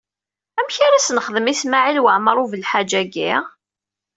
Amek ara s-nexdem i Smawil Waɛmaṛ U Belḥaǧ-agi?